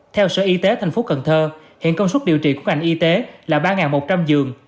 theo sở y tế tp hcm hiện công suất điều trị của ngành y tế là ba một trăm linh giường